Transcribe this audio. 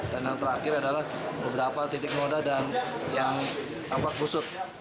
dan yang terakhir adalah beberapa titik moda dan yang apat busuk